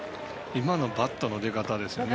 今のバットの出方ですよね。